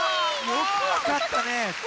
よくわかったね！